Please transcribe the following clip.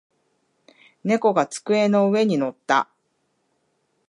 猫が机の上に乗った。